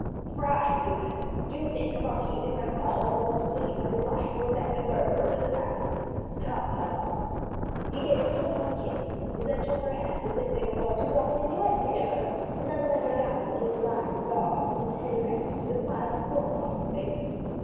"'Crimes!' he said. 'Do you think a Marquis de St. Caux is going to plead for his life to a band of murderers and assassins? Come, my love.' "He just gave her one kiss, and then took her hand as if they were going to walk a minuet together, and then led her down between the lines of guards with his head erect and a smile of scorn on his face.